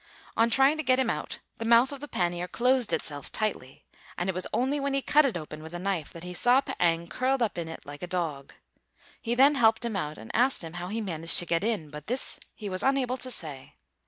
On trying to get him out the mouth of the pannier closed itself tightly; and it was only when he cut it open with a knife that he saw P'êng curled up in it like a dog. He then helped him out, and asked him how he managed to get in; but this he was unable to say.